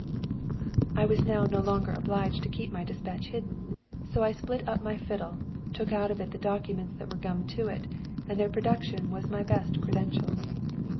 ] "I was now no longer obliged to keep my despatch hidden, so I split up my fiddle, took out of it the documents that were gummed to it, and their production was my best credentials.